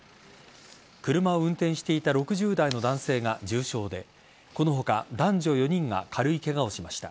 車を運転していた６０代の男性が重傷でこの他男女４人が軽いケガをしました。